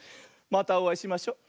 またおあいしましょ。